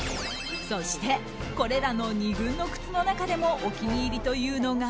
そしてこれらの２軍の靴の中でもお気に入りというのが。